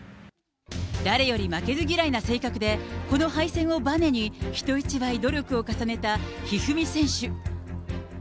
誰より負けず嫌いな性格で、この敗戦をばねに人一倍努力を重ねた一二三選手。